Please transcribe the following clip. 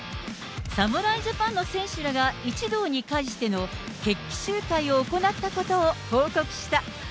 侍ジャパンの選手らが、一堂に会しての決起集会を行ったことを報告した。